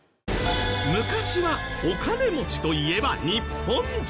昔はお金持ちといえば日本人。